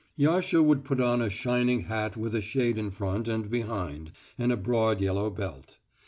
Yasha would put on a shining hat with a shade in front and behind, and a broad yellow belt.